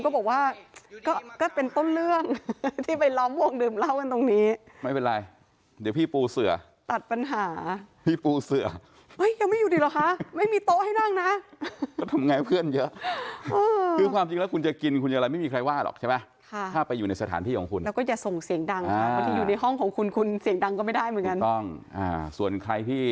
ก็เป็นต้นเรื่องที่ไปล้อมวงดื่มเหล้ากันตรงนี้